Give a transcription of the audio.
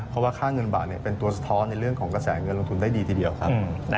เพราะว่าค่าเงินบาทเป็นตัวสะท้อนในเรื่องของกระแสเงินลงทุนได้ดีทีเดียวครับ